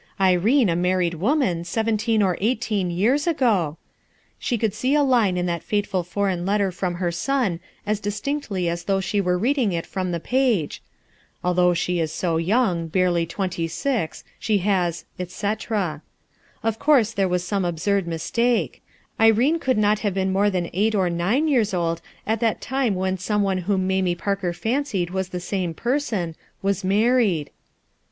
Irene a married wornan seventeen or eighteen yeara ago I She could bgq a line in that fateful foreign letter from her hob as distinctly m though nhe were reading it from the page, 'although «he in m young, barely twenty six hhcluuj, 1 etc. Of course there wan Borne absurd mistake, Irene could not have been more than eight or nine years old at that lime when some one whom Mamie Parker fancied was the name penson, was married.